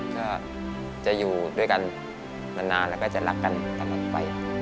ก็จะอยู่ด้วยกันมานานแล้วก็จะรักกันตลอดไป